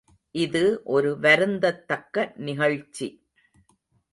இது ஒரு வருந்தத்தக்க நிகழ்ச்சி.